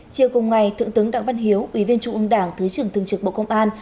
chiều cùng ngày thượng tướng đặng văn hiếu ủy viên trung ương đảng thứ trưởng thường trực bộ công an